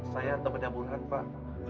saya temannya burhan pak